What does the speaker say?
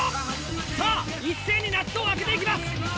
さぁ一斉に納豆を開けていきます。